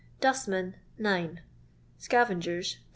Dustmen 9 Scavengers